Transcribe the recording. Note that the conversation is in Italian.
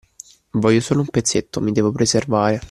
Voglio solo un pezzetto, mi devo preservare.